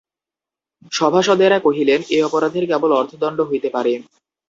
সভাসদেরা কহিলেন, এ অপরাধের কেবল অর্থদণ্ড হইতে পারে।